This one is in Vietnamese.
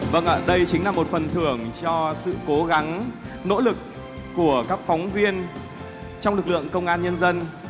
vâng ạ đây chính là một phần thưởng cho sự cố gắng nỗ lực của các phóng viên trong lực lượng công an nhân dân